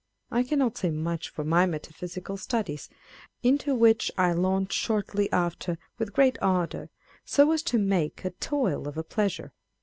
I cannot say much for my metaphysical studies, into which I launched shortly after with great ardour, so as to make a toil of a pleasure.